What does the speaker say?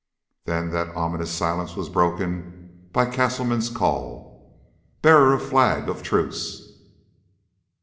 Then that ominous silence was broken by Castleman's call: "Bearer of flag of truce!"